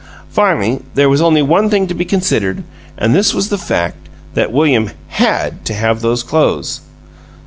Finally, there was only one thing to be considered and this was the fact that William HAD to have those clothes!